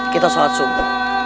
kita sholat subuh